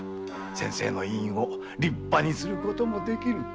先生の医院も立派にすることもできる。